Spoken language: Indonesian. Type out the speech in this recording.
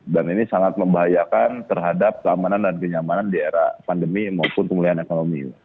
dan ini sangat membahayakan terhadap keamanan dan kenyamanan di era pandemi maupun kemuliaan ekonomi